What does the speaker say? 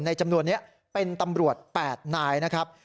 จำนวนนี้เป็นตำรวจ๘นายนะครับ